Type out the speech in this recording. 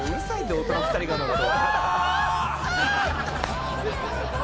大人２人が乗ると」